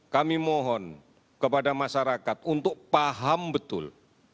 kami mohon kepada masyarakat untuk paham betul